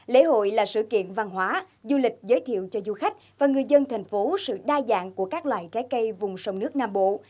lễ hội là sự kiện văn hóa du lịch giới thiệu cho du khách và người dân thành phố sự đa dạng của các loại trái cây vùng sông nước nam bộ